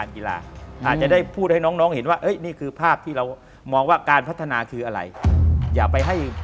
คืออะไรอย่าไปให้